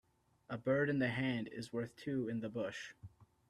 A bird in the hand is worth two in the bush.